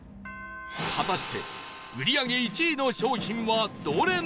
果たして売り上げ１位の商品はどれなのか？